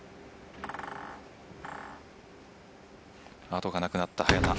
後がなくなった早田。